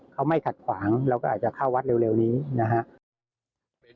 เขาไม่ขัดขวางเราก็อาจจะเข้าวัดเร็วนี้นะครับ